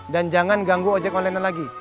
dan jangan ganggu ojek online nya lagi